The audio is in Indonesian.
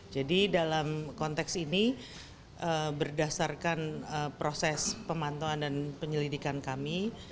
jadi dalam konteks ini berdasarkan proses pemantauan dan penyelidikan kami